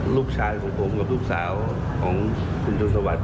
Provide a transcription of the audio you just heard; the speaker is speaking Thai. ลูกชายของผมกับลูกสาวของคุณจนสวัสดิ์